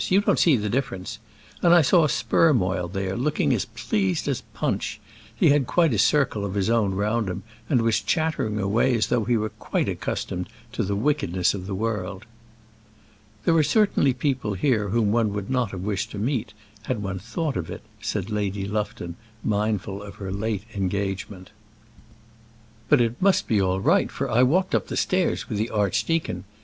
You don't see the difference. And I saw Spermoil there, looking as pleased as Punch. He had quite a circle of his own round him, and was chattering away as though he were quite accustomed to the wickednesses of the world." "There certainly are people here whom one would not have wished to meet, had one thought of it," said Lady Lufton, mindful of her late engagement. "But it must be all right, for I walked up the stairs with the archdeacon.